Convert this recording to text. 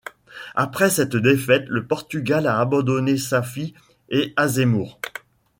Après cette défaite, le Portugal a abandonné Safi et Azemmour.